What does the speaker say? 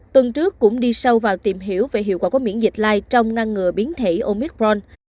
tuần trước cũng đi sâu vào tìm hiểu về hiệu quả của miễn dịch lai trong ngăn ngừa biến thể omicron